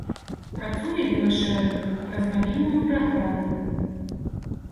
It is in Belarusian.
Працуе велашэрынг праз мабільную праграму.